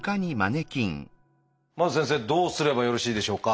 まず先生どうすればよろしいでしょうか？